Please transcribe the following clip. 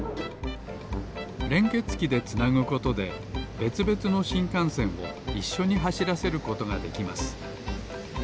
れんけつきでつなぐことでべつべつのしんかんせんをいっしょにはしらせることができます